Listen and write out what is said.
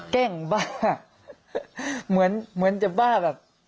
แก้งบ้าเหมือนจะบ้าแบบ